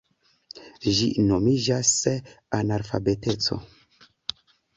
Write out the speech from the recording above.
Ĝi nomiĝas analfabeteco.